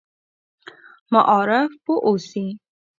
معارف پوه اوسي.